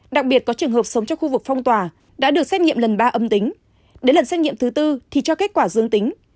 đặc biệt có trường hợp sống trong khu vực phong tỏa đã được xét nghiệm lần ba âm tính đến lần xét nghiệm thứ tư thì cho kết quả dương tính